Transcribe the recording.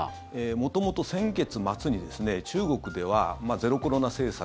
元々、先月末に中国ではゼロコロナ政策